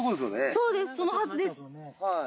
そうですそのはずです。